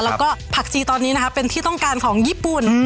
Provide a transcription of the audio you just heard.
แล้วก็ผักจีตอนนี้นะคะเป็นที่ต้องการของญี่ปุ่น